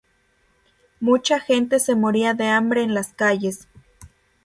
Mucha gente se moría de hambre en las calles.